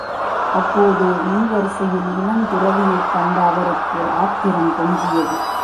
அப்போது முன்வரிசையில் இளந்துறவியைக் கண்ட அவருக்கு ஆத்திரம் பொங்கியது.